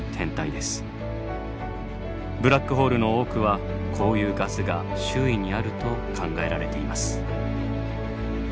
ブラックホールの多くはこういうガスが周囲にあると考えられています。